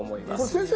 先生